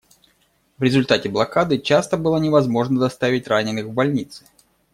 В результате блокады часто было невозможно доставить раненых в больницы.